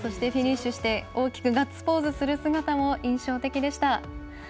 フィニッシュして大きくガッツポーズする姿も印象的でした。